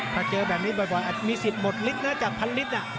ถ้าเจอแบบนี้บ่อยมีสิทธิ์หมดลิตรเนี่ยจากพันลิตรน่ะ